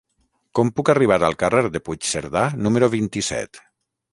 Com puc arribar al carrer de Puigcerdà número vint-i-set?